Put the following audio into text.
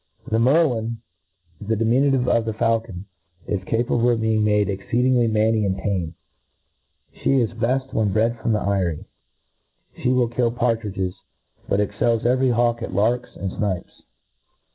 The merlina the diminutive of the faulcon, is capable of b? ing made exceedingly manny and tame. She i$ beft when bred from the eyrie. She will kill partridges ; but excells every hawk at larks and fiiipcs.